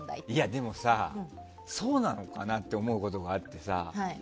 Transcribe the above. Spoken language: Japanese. でもさ、そうなのかなって思うことがあってさ。